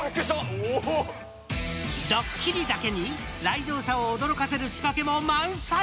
ドッキリだけに来場者を驚かせる仕掛けも満載？